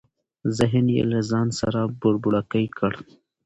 ذهن یې له ځانه سره بوړبوکۍ کړ.